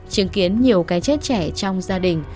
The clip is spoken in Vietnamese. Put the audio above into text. chứng kiến nhiều cái chết trẻ trong gia đình